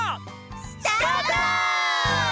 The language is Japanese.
スタート！